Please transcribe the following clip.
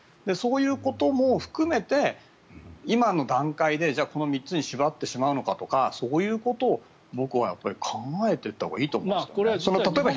そういうことも含めて今の段階でじゃあこの３つに絞ってしまうのかなとかそういうことを僕は考えていったほうが思うんです。